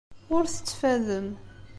Ur tettfadem.